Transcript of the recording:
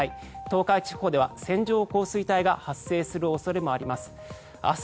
東海地方では線状降水帯が発生する恐れもあります。